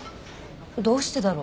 どうしてだろう？